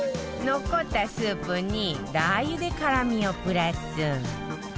残ったスープにラー油で辛みをプラス